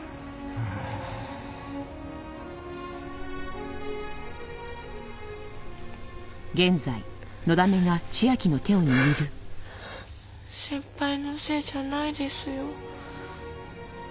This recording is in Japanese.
ああー先輩のせいじゃないですよ。